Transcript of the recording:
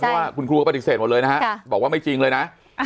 เพราะว่าคุณครูก็ปฏิเสธหมดเลยนะฮะบอกว่าไม่จริงเลยนะ